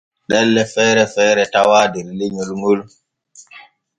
Ɗelle feere feere tawaa der lenyol ŋol.